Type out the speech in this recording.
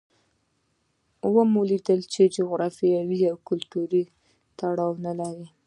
ومو لیدل چې جغرافیې او کلتور تړاو نه لري.